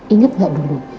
ingat gak dulu